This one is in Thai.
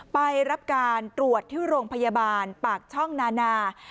ไปรับการตรวจที่โรงพยาบาลปากช่องนานา